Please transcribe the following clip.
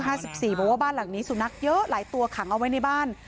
บ้านหลังนี้สุนัขเยอะหลายตัวขังเอาไว้ในบ้าน